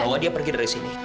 bahwa dia pergi dari sini